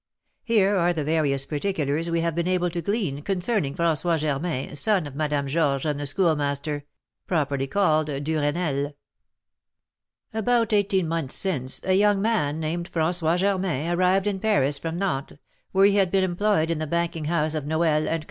Here are the various particulars we have been able to glean concerning François Germain, son of Madame Georges and the Schoolmaster, properly called Duresnel: "About eighteen months since, a young man, named François Germain, arrived in Paris from Nantes, where he had been employed in the banking house of Noël and Co.